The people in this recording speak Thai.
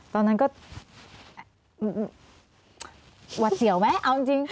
ตอนนั้นก็หวัดเสี่ยวไหมเอาจริง